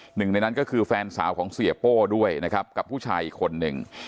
หนึ่งในนั้นก็คือแฟนสาวของเสียโป้ด้วยนะครับกับผู้ชายอีกคนหนึ่ง